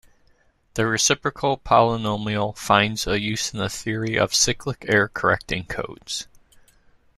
The reciprocal polynomial finds a use in the theory of cyclic error correcting codes.